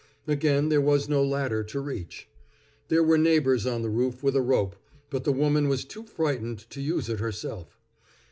Again there was no ladder to reach. There were neighbors on the roof with a rope, but the woman was too frightened to use it herself.